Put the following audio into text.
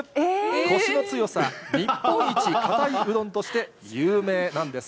こしの強さ、日本一硬いうどんとして、有名なんです。